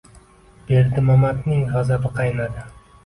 Berdimamatning g’azabi qaynadi.